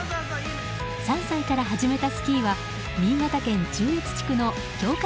３歳から始めたスキーは新潟県中越地区の強化